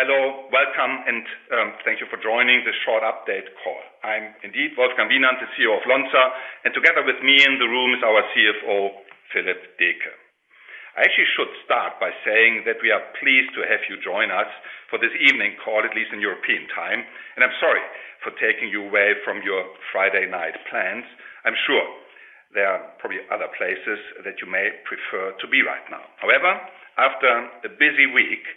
Hello, welcome, and thank you for joining this short update call. I'm indeed Wolfgang Wienand, the CEO of Lonza, and together with me in the room is our CFO, Philippe Deecke. I actually should start by saying that we are pleased to have you join us for this evening call, at least in European time, and I'm sorry for taking you away from your Friday night plans. I'm sure there are probably other places that you may prefer to be right now. However, after a busy week,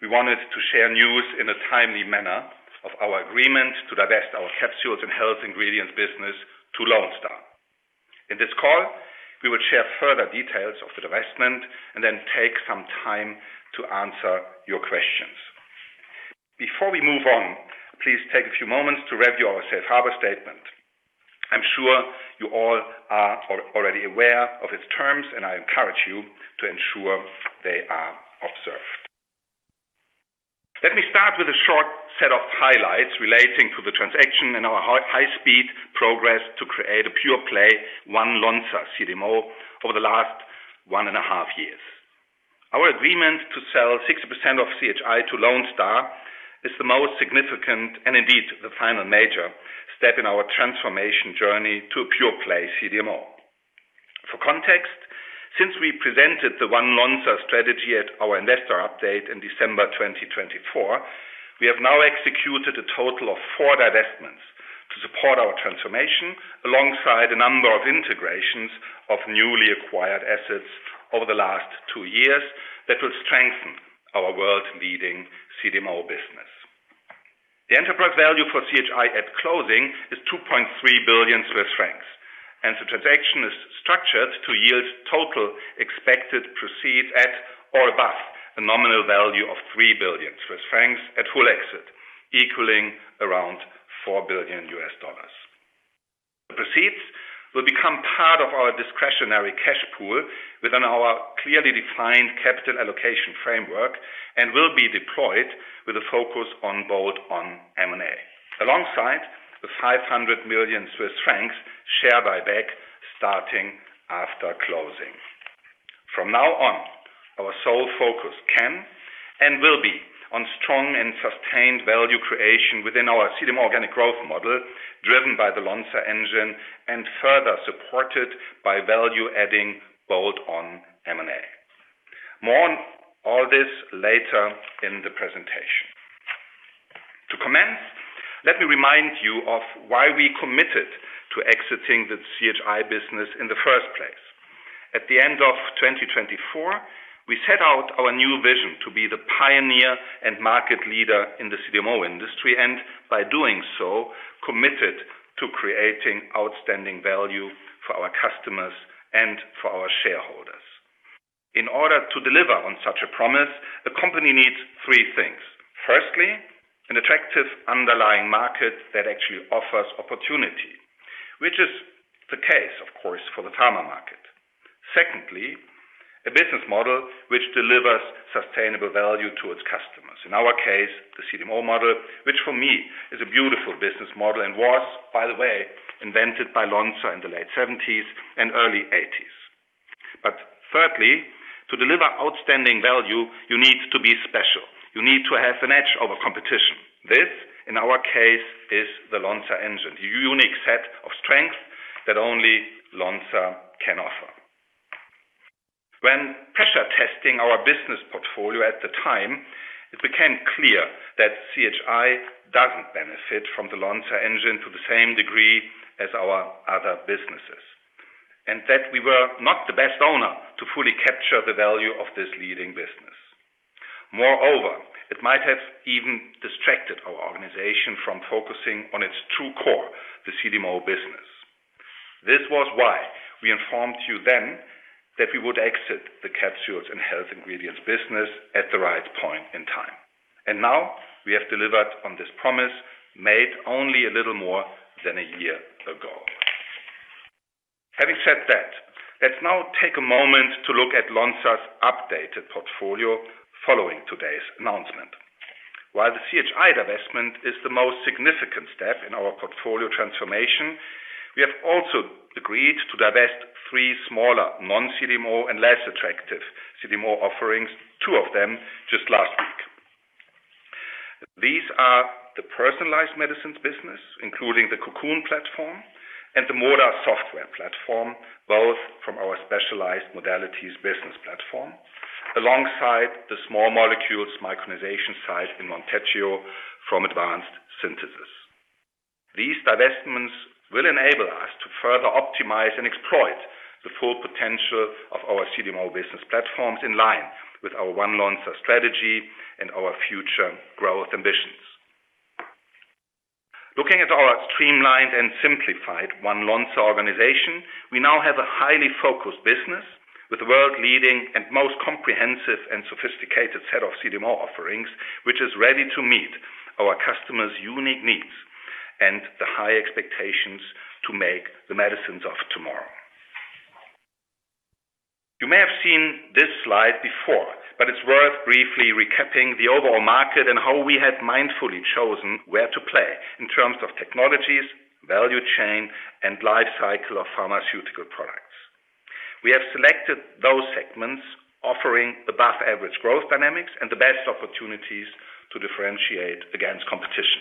we wanted to share news in a timely manner of our agreement to divest our Capsules & Health Ingredients business to Lone Star. In this call, we will share further details of the divestment and then take some time to answer your questions. Before we move on, please take a few moments to review our safe harbor statement. I'm sure you all are already aware of its terms, and I encourage you to ensure they are observed. Let me start with a short set of highlights relating to the transaction and our high-speed progress to create a pure play, One Lonza CDMO over the last one and a half years. Our agreement to sell 60% of CHI to Lone Star is the most significant and indeed the final major step in our transformation journey to a pure play CDMO. For context, since we presented the One Lonza strategy at our investor update in December 2024, we have now executed a total of 4 divestments to support our transformation, alongside a number of integrations of newly acquired assets over the last 2 years that will strengthen our world-leading CDMO business. The enterprise value for CHI at closing is 2.3 billion Swiss francs, the transaction is structured to yield total expected proceeds at or above the nominal value of 3 billion Swiss francs at full exit, equaling around $4 billion. The proceeds will become part of our discretionary cash pool within our clearly defined capital allocation framework and will be deployed with a focus on bolt-on M&A. Alongside the 500 million Swiss francs share buyback starting after closing. From now on, our sole focus can and will be on strong and sustained value creation within our CDMO organic growth model, driven by the Lonza Engine and further supported by value-adding bolt-on M&A. More on all this later in the presentation. To commence, let me remind you of why we committed to exiting the CHI business in the first place. At the end of 2024, we set out our new vision to be the pioneer and market leader in the CDMO industry, and by doing so, committed to creating outstanding value for our customers and for our shareholders. In order to deliver on such a promise, the company needs three things. Firstly, an attractive underlying market that actually offers opportunity, which is the case, of course, for the TAMA market. Secondly, a business model which delivers sustainable value to its customers. In our case, the CDMO model, which for me is a beautiful business model and was, by the way, invented by Lonza in the late 70s and early 80s. Thirdly, to deliver outstanding value, you need to be special. You need to have an edge over competition. This, in our case, is the Lonza Engine, the unique set of strengths that only Lonza can offer. When pressure testing our business portfolio at the time, it became clear that CHI doesn't benefit from the Lonza Engine to the same degree as our other businesses, and that we were not the best owner to fully capture the value of this leading business. Moreover, it might have even distracted our organization from focusing on its true core, the CDMO business. This was why we informed you then that we would exit the Capsules & Health Ingredients business at the right point in time. Now we have delivered on this promise made only a little more than a year ago. Having said that, let's now take a moment to look at Lonza's updated portfolio following today's announcement. While the CHI divestment is the most significant step in our portfolio transformation, we have also agreed to divest three smaller non-CDMO and less attractive CDMO offerings, two of them just last week. These are the Personalized Medicines business, including the Cocoon platform and the MODA software platform, both from our specialized modalities business platform, alongside the small molecules micronization site in Monteggio from Advanced Synthesis. These divestments will enable us to further optimize and exploit the full potential of our CDMO business platforms in line with our One Lonza strategy and our future growth ambitions. Looking at our streamlined and simplified One Lonza organization, we now have a highly focused business with world-leading and most comprehensive and sophisticated set of CDMO offerings, which is ready to meet our customers' unique needs and the high expectations to make the medicines of tomorrow. You may have seen this slide before, but it's worth briefly recapping the overall market and how we have mindfully chosen where to play in terms of technologies, value chain, and life cycle of pharmaceutical products. We have selected those segments offering above average growth dynamics and the best opportunities to differentiate against competition.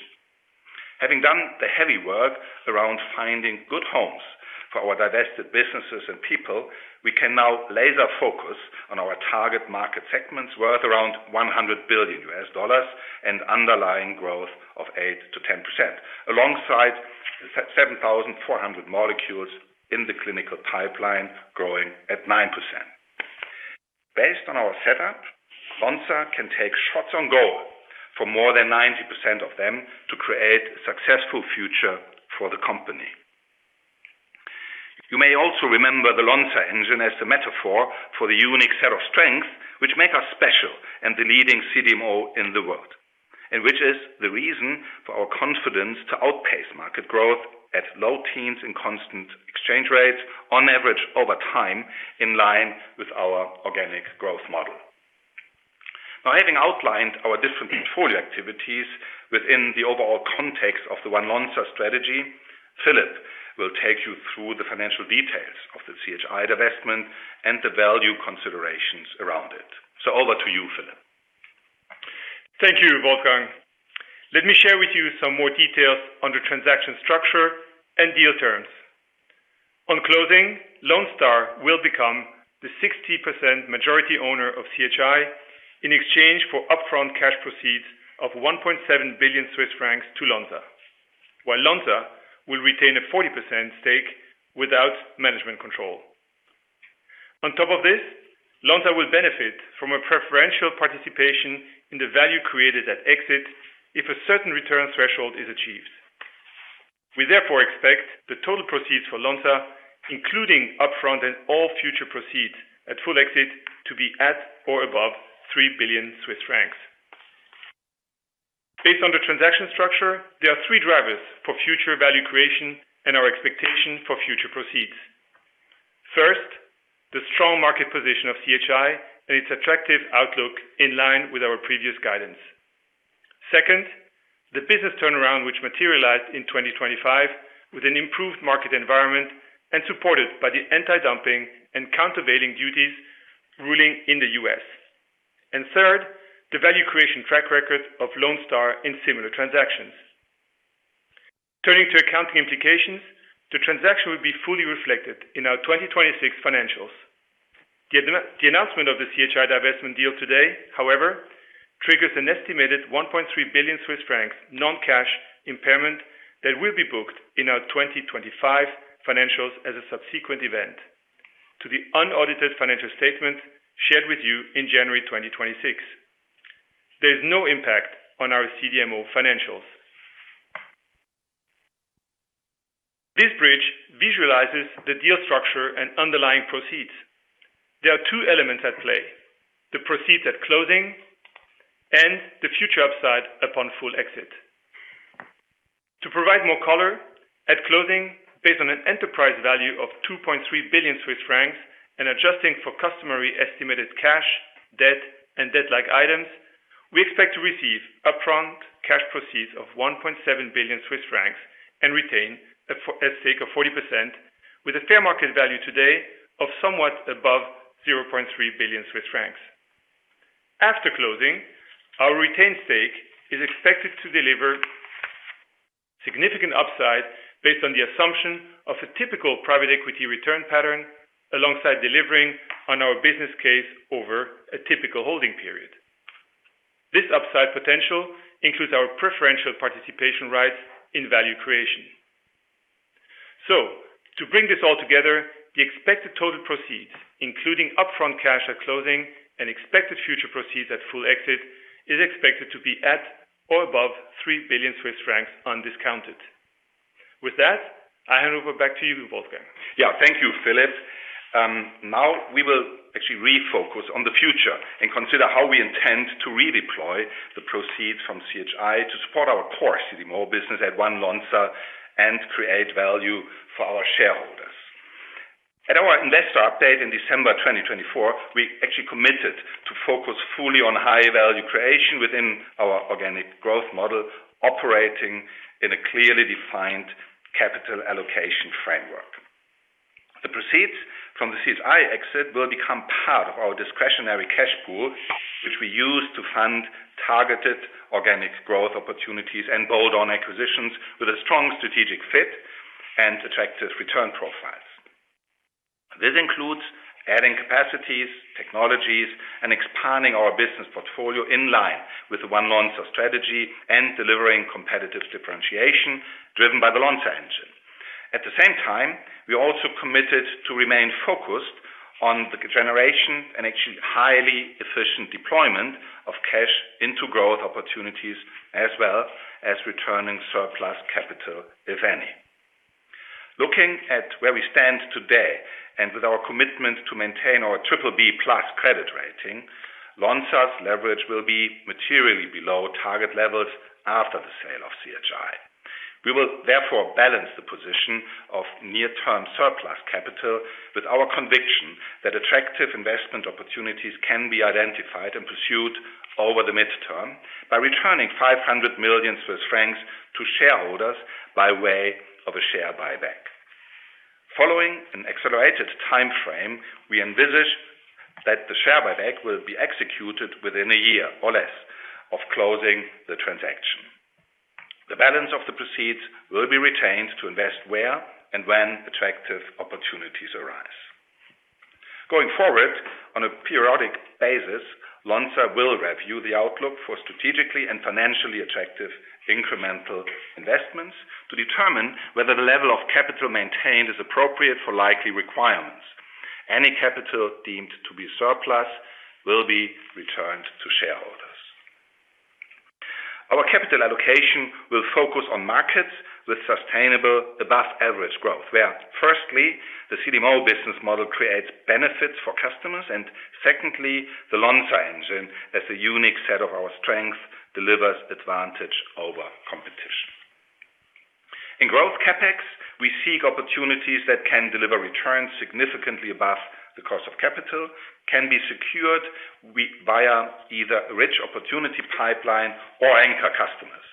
Having done the heavy work around finding good homes for our divested businesses and people, we can now laser-focus on our target market segments worth around $100 billion and underlying growth of 8%-10%. Alongside the 7,400 molecules in the clinical pipeline growing at 9%. Based on our setup, Lonza can take shots on goal for more than 90% of them to create a successful future for the company. You may also remember the Lonza Engine as the metaphor for the unique set of strengths which make us special and the leading CDMO in the world, and which is the reason for our confidence to outpace market growth at low teens in constant exchange rates on average over time, in line with our organic growth model. Having outlined our different portfolio activities within the overall context of the One Lonza strategy, Philip will take you through the financial details of the CHI divestment and the value considerations around it. Over to you, Philip. Thank you, Wolfgang. Let me share with you some more details on the transaction structure and deal terms. On closing, Lone Star will become the 60% majority owner of CHI in exchange for upfront cash proceeds of 1.7 billion Swiss francs to Lonza, while Lonza will retain a 40% stake without management control. On top of this, Lonza will benefit from a preferential participation in the value created at exit if a certain return threshold is achieved. We therefore expect the total proceeds for Lonza, including upfront and all future proceeds at full exit, to be at or above 3 billion Swiss francs. Based on the transaction structure, there are three drivers for future value creation and our expectation for future proceeds. First, the strong market position of CHI and its attractive outlook in line with our previous guidance. The business turnaround, which materialized in 2025 with an improved market environment and supported by the Antidumping and Countervailing Duties ruling in the U.S. Third, the value creation track record of Lone Star in similar transactions. Turning to accounting implications, the transaction will be fully reflected in our 2026 financials. The announcement of the CHI divestment deal today, however, triggers an estimated 1.3 billion Swiss francs non-cash impairment that will be booked in our 2025 financials as a subsequent event to the unaudited financial statement shared with you in January 2026. There's no impact on our CDMO financials. This bridge visualizes the deal structure and underlying proceeds. There are two elements at play: the proceeds at closing and the future upside upon full exit. To provide more color, at closing, based on an enterprise value of 2.3 billion Swiss francs and adjusting for customary estimated cash, debt, and debt-like items, we expect to receive upfront cash proceeds of 1.7 billion Swiss francs and retain a stake of 40% with a fair market value today of somewhat above 0.3 billion Swiss francs. After closing, our retained stake is expected to deliver significant upside based on the assumption of a typical private equity return pattern alongside delivering on our business case over a typical holding period. This upside potential includes our preferential participation rights in value creation. To bring this all together, the expected total proceeds, including upfront cash at closing and expected future proceeds at full exit, is expected to be at or above 3 billion Swiss francs undiscounted. With that, I hand over back to you, Wolfgang. Yeah. Thank you, Philip. Now we will actually refocus on the future and consider how we intend to redeploy the proceeds from CHI to support our core CDMO business at One Lonza and create value for our shareholders. At our investor update in December 2024, we actually committed to focus fully on high value creation within our organic growth model, operating in a clearly defined capital allocation framework. The proceeds from the CHI exit will become part of our discretionary cash pool, which we use to fund targeted organic growth opportunities and build on acquisitions with a strong strategic fit and attractive return profiles. This includes adding capacities, technologies, and expanding our business portfolio in line with the One Lonza strategy and delivering competitive differentiation driven by the Lonza Engine. At the same time, we also committed to remain focused on the generation and actually highly efficient deployment of cash into growth opportunities as well as returning surplus capital, if any. Looking at where we stand today and with our commitment to maintain our BBB+ credit rating, Lonza's leverage will be materially below target levels after the sale of CHI. We will therefore balance the position of near-term surplus capital with our conviction that attractive investment opportunities can be identified and pursued over the mid-term by returning 500 million Swiss francs to shareholders by way of a share buyback. Following an accelerated timeframe, we envisage that the share buyback will be executed within a year or less of closing the transaction. The balance of the proceeds will be retained to invest where and when attractive opportunities arise. Going forward, on a periodic basis, Lonza will review the outlook for strategically and financially attractive incremental investments to determine whether the level of capital maintained is appropriate for likely requirements. Any capital deemed to be surplus will be returned to shareholders. Our capital allocation will focus on markets with sustainable above average growth, where firstly, the CDMO business model creates benefits for customers, and secondly, the Lonza Engine, as a unique set of our strengths, delivers advantage over competition. In growth CapEx, we seek opportunities that can deliver returns significantly above the cost of capital, can be secured via either a rich opportunity pipeline or anchor customers.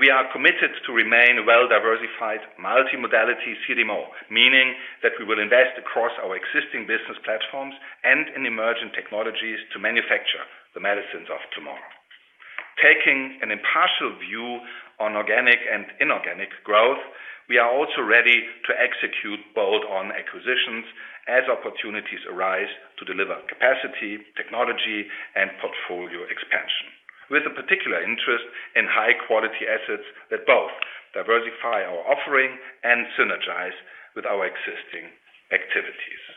We are committed to remain a well-diversified multimodality CDMO, meaning that we will invest across our existing business platforms and in emerging technologies to manufacture the medicines of tomorrow. Taking an impartial view on organic and inorganic growth, we are also ready to execute bolt-on acquisitions as opportunities arise to deliver capacity, technology, and portfolio expansion, with a particular interest in high quality assets that both diversify our offering and synergize with our existing activities.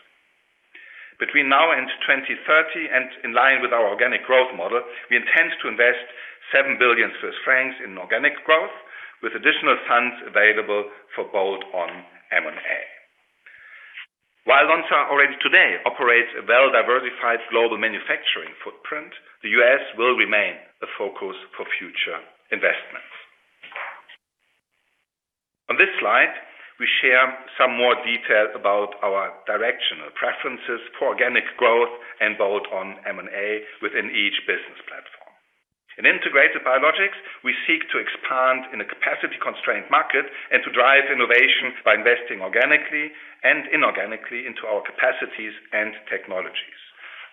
Between now and 2030, and in line with our organic growth model, we intend to invest 7 billion Swiss francs in organic growth with additional funds available for bolt-on M&A. While Lonza already today operates a well-diversified global manufacturing footprint, the U.S. will remain the focus for future investments. On this slide, we share some more detail about our directional preferences for organic growth and bolt-on M&A within each business platform. In integrated biologics, we seek to expand in a capacity-constrained market and to drive innovation by investing organically and inorganically into our capacities and technologies,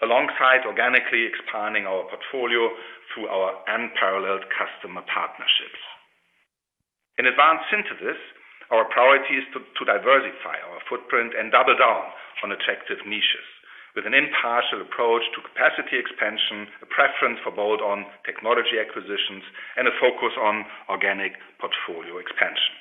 alongside organically expanding our portfolio through our unparalleled customer partnerships. In advanced synthesis, our priority is to diversify our footprint and double down on attractive niches with an impartial approach to capacity expansion, a preference for both on technology acquisitions and a focus on organic portfolio expansion.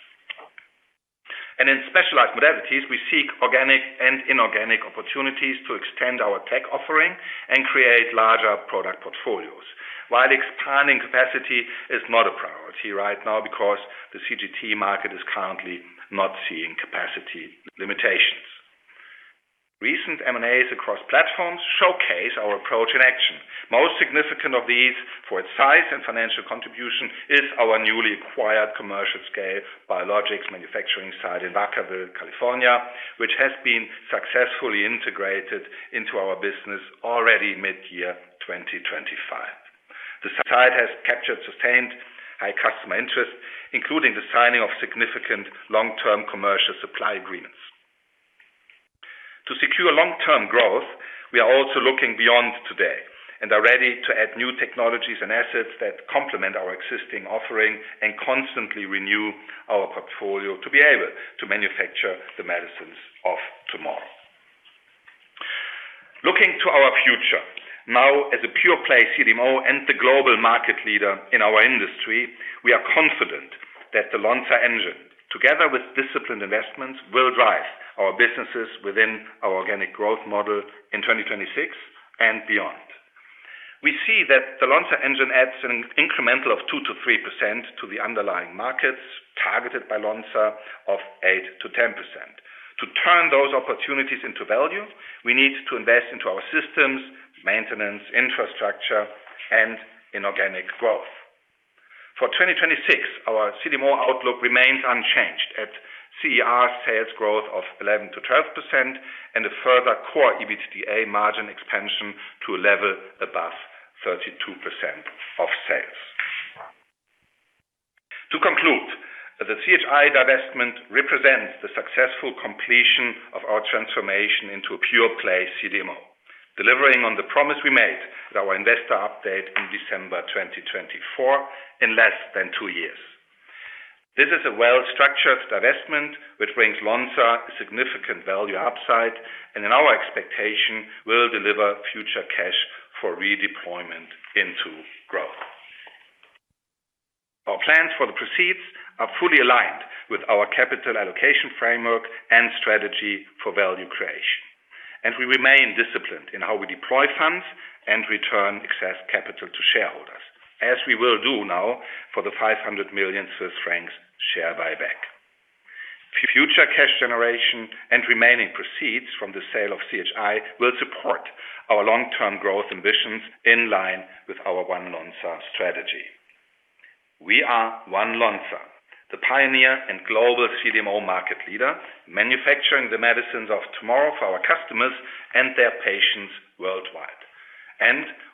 In specialized modalities, we seek organic and inorganic opportunities to extend our tech offering and create larger product portfolios. While expanding capacity is not a priority right now because the CGT market is currently not seeing capacity limitations. Recent M&As across platforms showcase our approach in action. Most significant of these for its size and financial contribution is our newly acquired commercial scale biologics manufacturing site in Vacaville, California, which has been successfully integrated into our business already mid-year 2025. The site has captured sustained high customer interest, including the signing of significant long-term commercial supply agreements. To secure long-term growth, we are also looking beyond today and are ready to add new technologies and assets that complement our existing offering and constantly renew our portfolio to be able to manufacture the medicines of tomorrow. Looking to our future, now as a pure play CDMO and the global market leader in our industry, we are confident that the Lonza Engine, together with disciplined investments, will drive our businesses within our organic growth model in 2026 and beyond. We see that the Lonza Engine adds an incremental of 2%-3% to the underlying markets targeted by Lonza of 8%-10%. To turn those opportunities into value, we need to invest into our systems, maintenance, infrastructure, and inorganic growth. For 2026, our CDMO outlook remains unchanged at CER sales growth of 11%-12% and a further CORE EBITDA margin expansion to a level above 32% of sales. To conclude, the CHI divestment represents the successful completion of our transformation into a pure play CDMO, delivering on the promise we made with our investor update in December 2024 in less than two years. This is a well-structured divestment which brings Lonza a significant value upside and in our expectation will deliver future cash for redeployment into growth. Our plans for the proceeds are fully aligned with our capital allocation framework and strategy for value creation, and we remain disciplined in how we deploy funds and return excess capital to shareholders, as we will do now for the 500 million Swiss francs share buyback. Future cash generation and remaining proceeds from the sale of CHI will support our long-term growth ambitions in line with our One Lonza strategy. We are One Lonza, the pioneer and global CDMO market leader, manufacturing the medicines of tomorrow for our customers and their patients worldwide.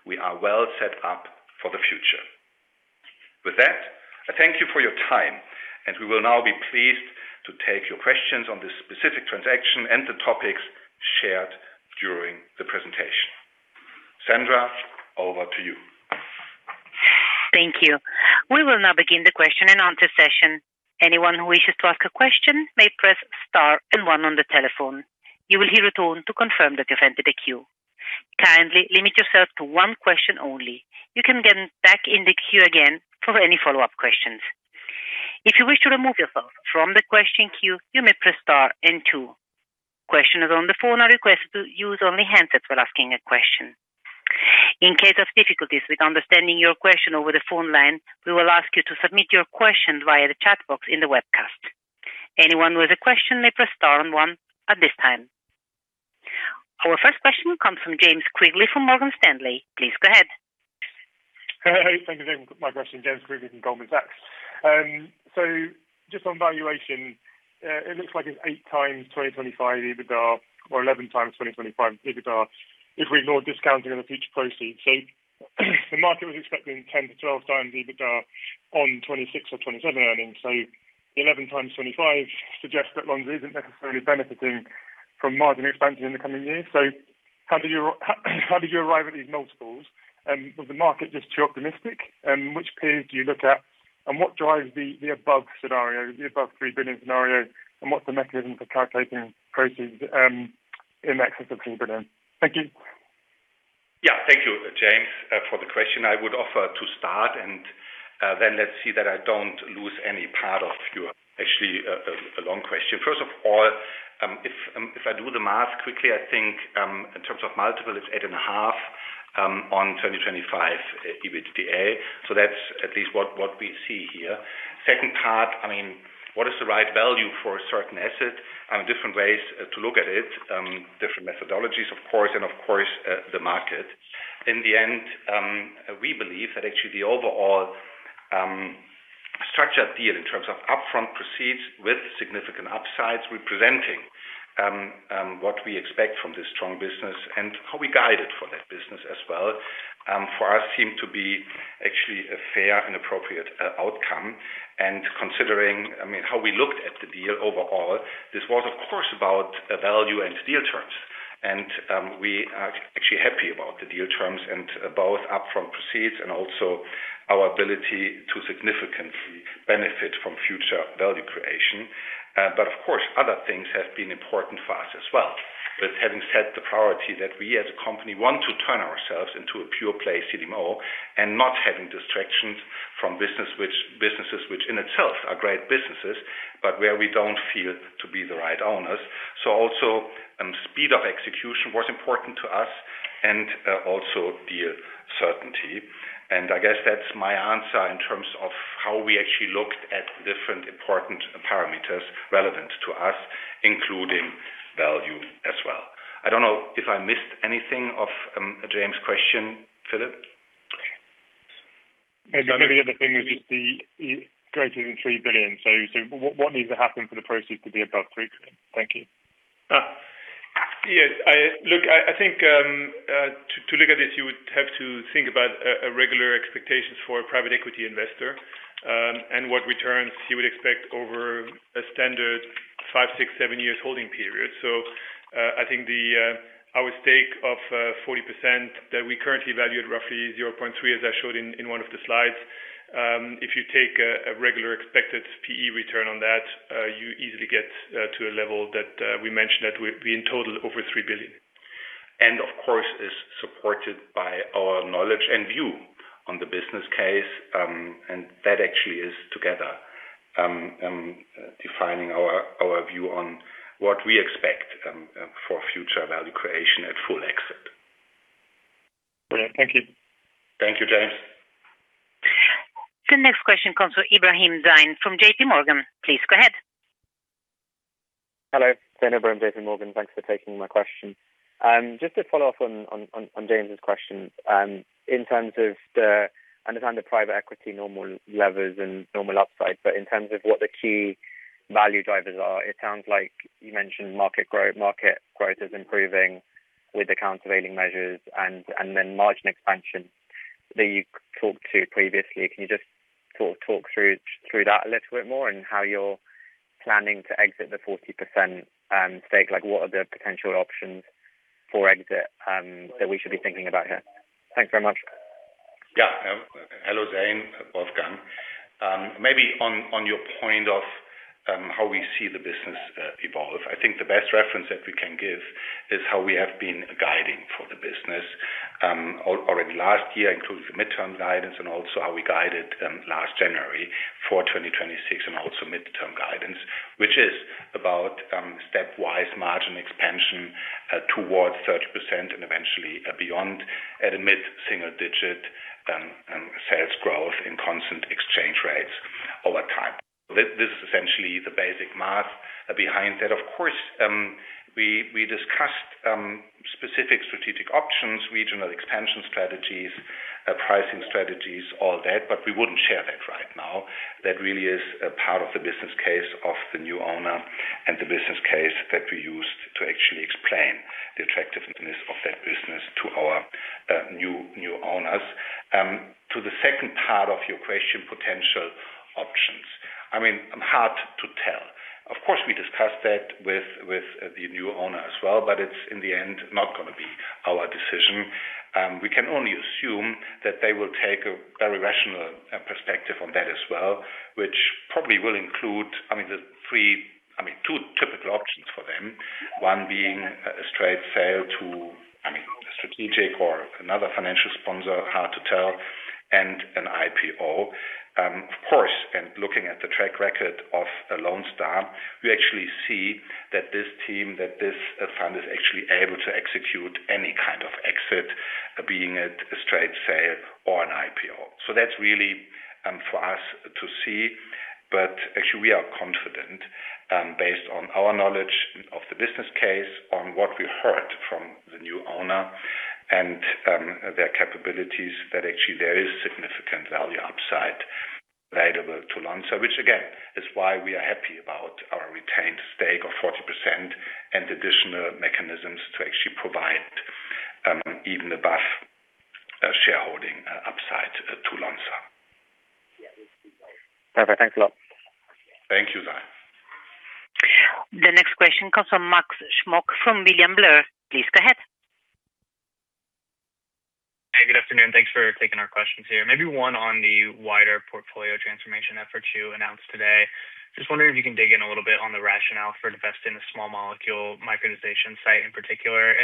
We are well set up for the future. With that, I thank you for your time, and we will now be pleased to take your questions on this specific transaction and the topics shared during the presentation. Sandra, over to you. Thank you. We will now begin the question and answer session. Anyone who wishes to ask a question may press star and one on the telephone. You will hear a tone to confirm that you've entered the queue. Kindly limit yourself to one question only. You can get back in the queue again for any follow-up questions. If you wish to remove yourself from the question queue, you may press star and two. Questioners on the phone are requested to use only handsets when asking a question. In case of difficulties with understanding your question over the phone line, we will ask you to submit your question via the chat box in the webcast. Anyone with a question may press star and one at this time. Our first question comes from James Quigley from Morgan Stanley. Please go ahead. Hey. Thank you, Sandra. My question, James Quigley from Goldman Sachs. Just on valuation, it looks like it's 8x 2025 EBITDA or 11x 2025 EBITDA if we ignore discounting in the future proceeds. The market was expecting 10x-12x EBITDA on 2026 or 2027 earnings. 11x 2025 suggests that Lonza isn't necessarily benefiting from margin expansion in the coming years. How did you arrive at these multiples, with the market just too optimistic? Which peers do you look at, what drives the above scenario, the above $3 billion scenario? What's the mechanism for calculating proceeds in excess of $3 billion? Thank you. Thank you, James, for the question. I would offer to start and then let's see that I don't lose any part of your actually a long question. First of all, if I do the math quickly, I think, in terms of multiple, it's 8.5x on 2025 EBITDA. That's at least what we see here. Second part, I mean, what is the right value for a certain asset and different ways to look at it, different methodologies of course and, of course, the market. In the end, we believe that actually the overall structure deal in terms of upfront proceeds with significant upsides representing what we expect from this strong business and how we guide it for that business as well, for us seem to be actually a fair and appropriate outcome. Considering, I mean, how we looked at the deal overall, this was of course about a value and deal terms. We are actually happy about the deal terms and about upfront proceeds and also our ability to significantly benefit from future value creation. Of course, other things have been important for us as well. Having set the priority that we as a company want to turn ourselves into a pure-play CDMO and not having distractions from businesses which in itself are great businesses, but where we don't feel to be the right owners. Also, speed of execution was important to us and also deal certainty. I guess that's my answer in terms of how we actually looked at different important parameters relevant to us, including value as well. I don't know if I missed anything of James' question, Philip. Maybe the other thing was just the greater than 3 billion. What needs to happen for the proceeds to be above 3 billion? Thank you. Yes. Look, I think, to look at this, you would have to think about a regular expectations for a private equity investor, and what returns you would expect over a standard five years, six year, seven years holding period. I think the our stake of 40% that we currently value at roughly 0.3, as I showed in one of the slides. If you take a regular expected PE return on that, you easily get to a level that we mentioned that we in total over 3 billion. Of course is supported by our knowledge and view on the business case. That actually is together defining our view on what we expect for future value creation at full exit. Brilliant. Thank you. Thank you, James. The next question comes from Ibrahim Zain from JPMorgan. Please go ahead. Hello. Zain Ebrahim, JPMorgan. Thanks for taking my question. Just to follow up on James's question, in terms of the understand the private equity normal levers and normal upside, but in terms of what the key value drivers are, it sounds like you mentioned market growth is improving with the countervailing measures and then margin expansion that you talked to previously. Can you just sort of talk through that a little bit more and how you're planning to exit the 40% stake? Like, what are the potential options for exit that we should be thinking about here? Thanks very much. Yeah. Hello, Zain. Wolfgang. Maybe on your point of how we see the business evolve. I think the best reference that we can give is how we have been guiding for the business early last year, including the midterm guidance and also how we guided last January for 2026 and also mid-term guidance, which is about stepwise margin expansion towards 30% and eventually beyond at a mid-single digit sales growth in constant exchange rates over time. This is essentially the basic math behind that. Of course, we discussed specific strategic options, regional expansion strategies, pricing strategies, all that, but we wouldn't share that right now. Now that really is a part of the business case of the new owner and the business case that we used to actually explain the attractiveness of that business to our new owners. To the second part of your question, potential options. I mean, hard to tell. Of course, we discussed that with the new owner as well, but it's in the end, not gonna be our decision. We can only assume that they will take a very rational perspective on that as well, which probably will include, I mean, two typical options for them. One being a straight sale to, I mean, a strategic or another financial sponsor, hard to tell, and an IPO. Of course, looking at the track record of Lone Star, we actually see that this team, that this fund is actually able to execute any kind of exit, being it a straight sale or an IPO. That's really for us to see. Actually we are confident, based on our knowledge of the business case, on what we heard from the new owner and their capabilities, that actually there is significant value upside available to Lonza, which again, is why we are happy about our retained stake of 40% and additional mechanisms to actually provide, even above shareholding upside to Lonza. Perfect. Thanks a lot. Thank you, Zain. The next question comes from Max Smock from William Blair. Please go ahead. Hey, good afternoon. Thanks for taking our questions here. Maybe one on the wider portfolio transformation efforts you announced today. Just wondering if you can dig in a little bit on the rationale for divesting the small molecule micronization site in particular.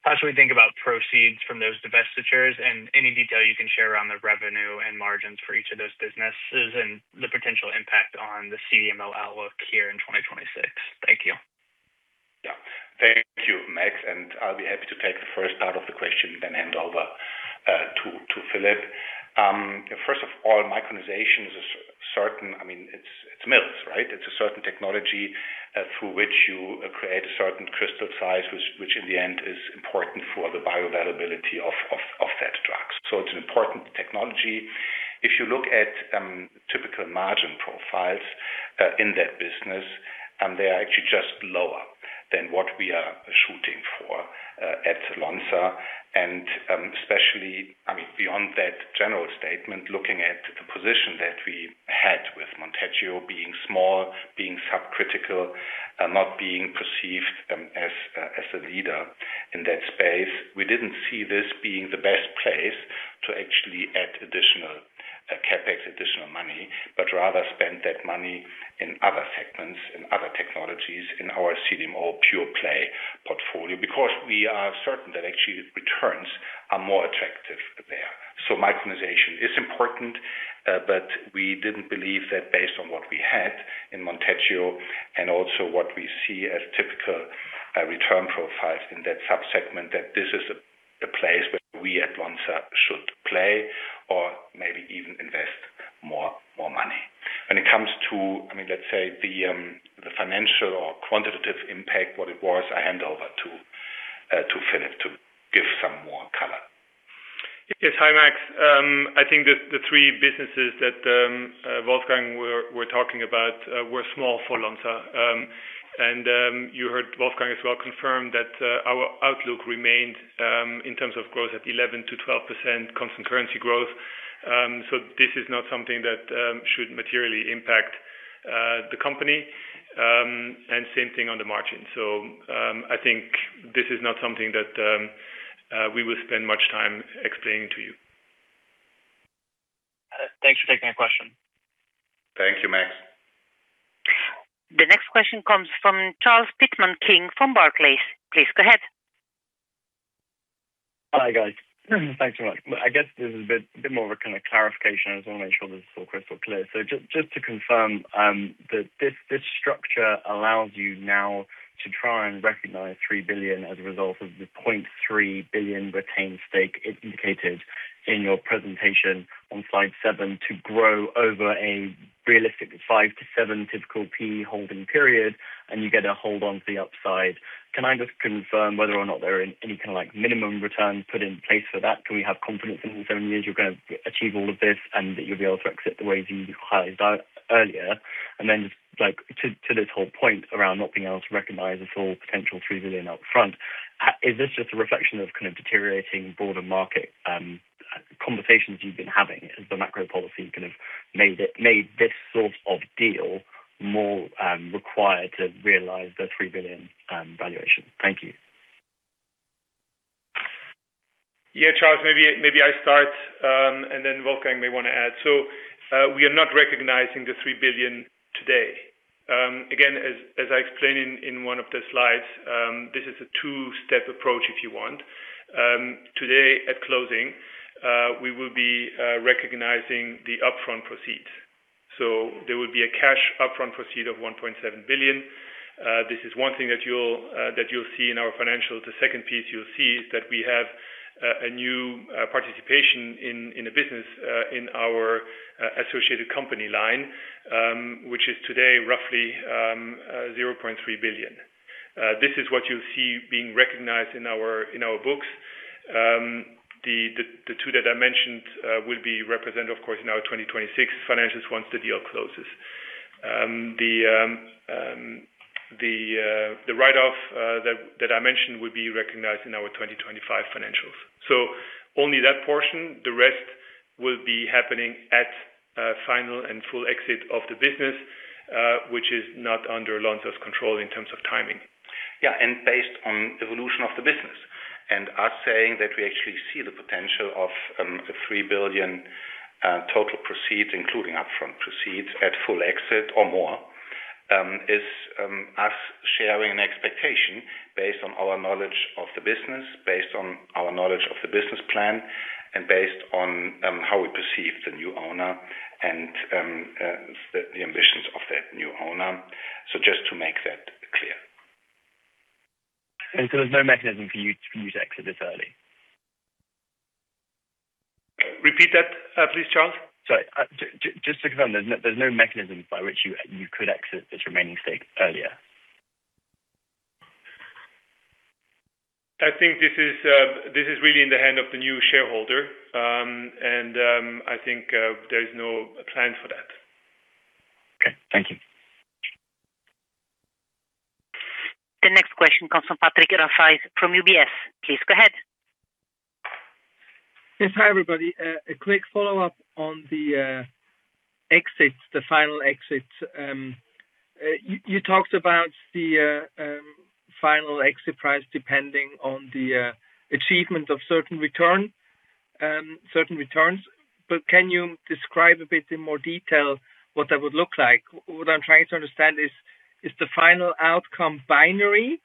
How should we think about proceeds from those divestitures and any detail you can share around the revenue and margins for each of those businesses and the potential impact on the CDMO outlook here in 2026. Thank you. Thank you, Max. I'll be happy to take the first part of the question, then hand over to Philippe. First of all, micronization is a certain, I mean, it's mills, right? It's a certain technology through which you create a certain crystal size, which in the end is important for the bioavailability of that drug. It's an important technology. If you look at typical margin profiles in that business, they are actually just lower than what we are shooting for at Lonza. Especially, I mean, beyond that general statement, looking at the position that we had with Monteggio being small, being subcritical, not being perceived, as a leader in that space, we didn't see this being the best place to actually add additional CapEx, additional money, but rather spend that money in other segments, in other technologies in our CDMO pure-play portfolio. We are certain that actually returns are more attractive there. Micronization is important, but we didn't believe that based on what we had in Monteggio and also what we see as typical, return profiles in that subsegment, that this is the place where we at Lonza should play or maybe even invest more money. When it comes to, I mean, let's say, the financial or quantitative impact, what it was, I hand over to Philipp to give some more color. Yes. Hi, Max. I think the three businesses that Wolfgang were talking about were small for Lonza. You heard Wolfgang as well confirm that our outlook remained in terms of growth at 11% to 12% constant currency growth. This is not something that should materially impact the company, and same thing on the margin. I think this is not something that we will spend much time explaining to you. Thanks for taking my question. Thank you, Max. The next question comes from Charles Pitman King from Barclays. Please go ahead. Hi, guys. Thanks very much. I guess this is a bit more of a kind of clarification. I just wanna make sure this is all crystal clear. Just to confirm that this structure allows you now to try and recognize 3 billion as a result of the 0.3 billion retained stake indicated in your presentation on slide seven to grow over a realistically five to seven typical P holding period, and you get to hold on to the upside. Can I just confirm whether or not there are any kind of like minimum returns put in place for that? Can we have confidence in those seven years you're gonna achieve all of this and that you'll be able to exit the way you highlighted earlier? Just like to this whole point around not being able to recognize this whole potential $3 billion up front, is this just a reflection of kind of deteriorating broader market conversations you've been having as the macro policy kind of made this sort of deal more required to realize the $3 billion valuation? Thank you. Yeah, Charles, maybe I start, and then Wolfgang may wanna add. We are not recognizing the 3 billion today. Again, as I explained in one of the slides, this is a two-step approach if you want. Today at closing, we will be recognizing the upfront proceed. There will be a cash upfront proceed of 1.7 billion. This is one thing that you'll see in our financial. The second piece you'll see is that we have a new participation in a business in our associated company line, which is today roughly 0.3 billion. This is what you'll see being recognized in our books. The two that I mentioned will be represented of course in our 2026 financials once the deal closes. The write-off that I mentioned will be recognized in our 2025 financials. Only that portion, the rest will be happening at final and full exit of the business, which is not under Lonza's control in terms of timing. Yeah. Based on evolution of the business and us saying that we actually see the potential of a 3 billion total proceeds, including upfront proceeds at full exit or more, is us sharing an expectation based on our knowledge of the business, based on our knowledge of the business plan, and based on how we perceive the new owner and the ambitions of that new owner. Just to make that clear. there's no mechanism for you to, for you to exit this early? Repeat that, please, Charles. Sorry. just to confirm, there's no mechanism by which you could exit this remaining stake earlier? I think this is, this is really in the hand of the new shareholder. I think, there is no plan for that. Okay. Thank you. The next question comes from Patrick Rafaisz from UBS. Please go ahead. Yes. Hi, everybody. A quick follow-up on the exit, the final exit. You talked about the final exit price depending on the achievement of certain return, certain returns, but can you describe a bit in more detail what that would look like? What I'm trying to understand is the final outcome binary,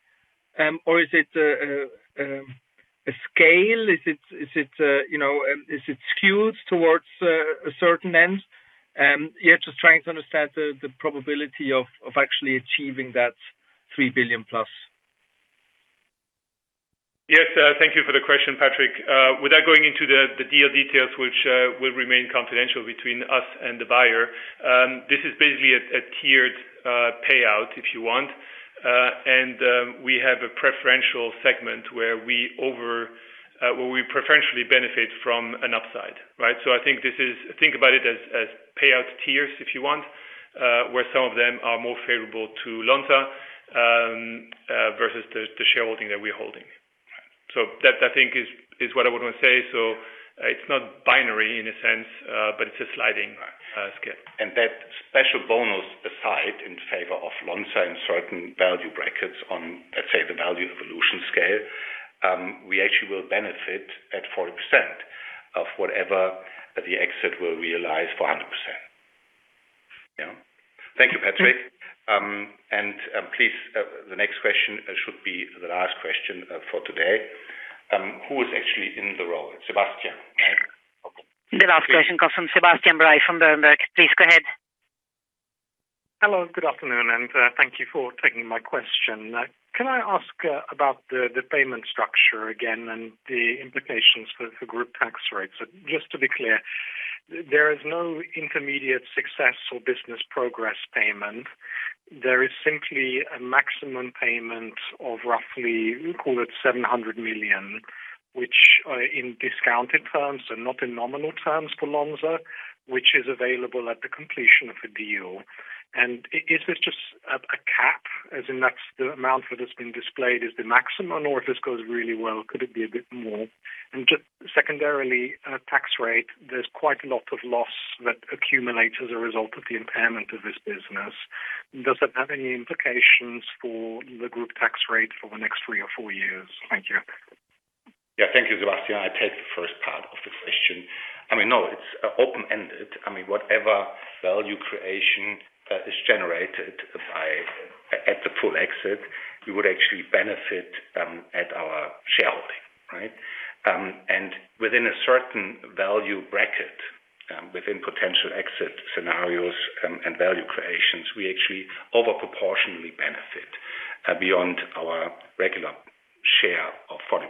or is it a scale? Is it, you know, is it skewed towards a certain end? Yeah, just trying to understand the probability of actually achieving that $3 billion+. Yes. Thank you for the question, Patrick. Without going into the deal details, which will remain confidential between us and the buyer, this is basically a tiered payout if you want. We have a preferential segment where we preferentially benefit from an upside, right? I think this is, Think about it as payout tiers, if you want, where some of them are more favorable to Lonza versus the shareholding that we're holding. That I think is what I would wanna say. It's not binary in a sense, but it's a sliding scale. That special bonus aside in favor of Lonza in certain value brackets on, let's say the value evolution scale, we actually will benefit at 40% of whatever the exit will realize for 100%. You know. Thank you, Patrick. Please, the next question should be the last question for today. Who is actually in the role? Sebastian, right? Okay. The last question comes from Sebastian Bray from Berenberg. Please go ahead. Hello. Good afternoon, and thank you for taking my question. Can I ask about the payment structure again and the implications for group tax rates? Just to be clear, there is no intermediate success or business progress payment. There is simply a maximum payment of roughly, we'll call it 700 million, which in discounted terms and not in nominal terms for Lonza, which is available at the completion of the deal. Is this just a cap, as in that's the amount that has been displayed is the maximum, or if this goes really well, could it be a bit more? Just secondarily, tax rate, there's quite a lot of loss that accumulates as a result of the impairment of this business. Does that have any implications for the group tax rate for the next three years or four years? Thank you. Yeah. Thank you, Sebastian. I take the first part of the question. I mean, no, it's open-ended. I mean, whatever value creation is generated at the full exit, we would actually benefit at our shareholding, right? Within a certain value bracket, within potential exit scenarios, and value creations, we actually over proportionally benefit beyond our regular share of 40%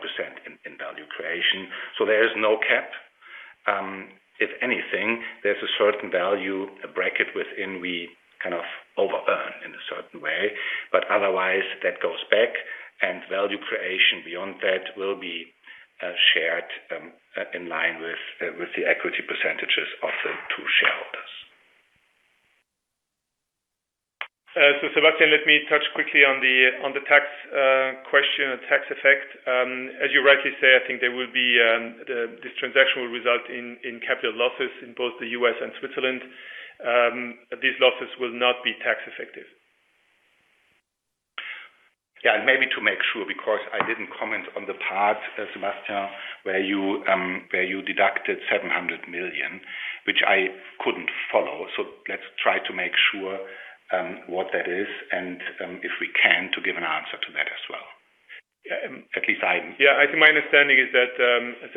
in value creation. There is no cap. If anything, there's a certain value bracket within we kind of over earn in a certain way. Otherwise that goes back and value creation beyond that will be shared in line with the equity percentages of the two shareholders. Sebastian, let me touch quickly on the tax, question or tax effect. As you rightly say, I think there will be, this transaction will result in capital losses in both the U.S. and Switzerland. These losses will not be tax effective. Yeah. Maybe to make sure, because I didn't comment on the part, Sebastian, where you deducted 700 million, which I couldn't follow. Let's try to make sure what that is and, if we can, to give an answer to that as well. Yeah. I think my understanding is that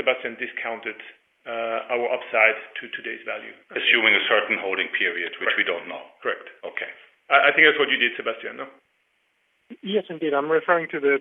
Sebastian discounted our upside to today's value. Assuming a certain holding period, which we don't know. Correct. Okay. I think that's what you did, Sebastian, no? Yes, indeed. I'm referring to the.